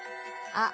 「あっ！